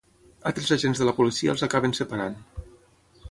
Altres agents de la policia els acaben separant.